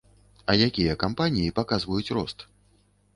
А якія кампаніі паказваюць рост?